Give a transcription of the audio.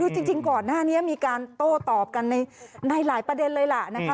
คือจริงก่อนหน้านี้มีการโต้ตอบกันในหลายประเด็นเลยล่ะนะคะ